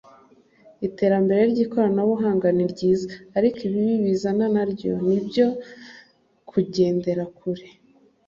iterambere ry’ikoranabuhanga ni ryiza ariko ibibi bizana na ryo ni ibyo kugendera kure.